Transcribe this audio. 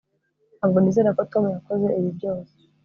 ntabwo nizera ko tom yakoze ibi byose